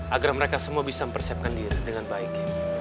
agar mereka semua bisa mempersiapkan diri dengan baik